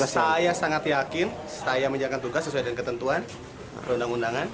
saya sangat yakin saya menjalankan tugas sesuai dengan ketentuan perundang undangan